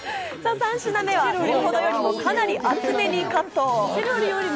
３品目は先ほどよりも、かなり厚めにカット。